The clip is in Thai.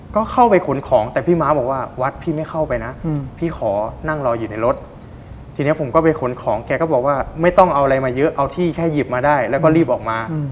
ก็เข้าไปขนของแต่พี่ม้าบอกว่าวัดพี่ไม่เข้าไปนะพี่ขอนั่งรออยู่ในรถทีนี้ผมก็ไปขนของแกก็บอกว่าไม่ต้องเอาอะไรมาเยอะเอาที่แค่หยิบมาได้แล้วก็รีบออกมา